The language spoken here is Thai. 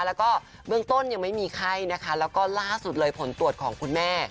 แล้วก็เบื้องต้นยังไม่มีไข้นะคะแล้วก็ล่าสุดเลยผลตรวจของคุณแม่